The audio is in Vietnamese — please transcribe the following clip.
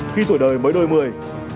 khi tuổi đời mới đôi mười